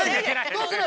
どうする？